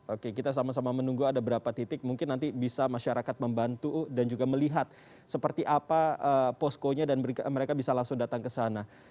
oke kita sama sama menunggu ada berapa titik mungkin nanti bisa masyarakat membantu dan juga melihat seperti apa poskonya dan mereka bisa langsung datang ke sana